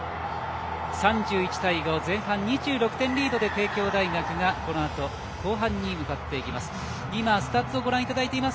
３１対５、前半２６点リードで帝京大学がこのあと後半に向かいます。